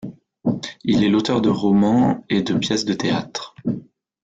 Il est l'auteur de romans et de pièces de théâtre.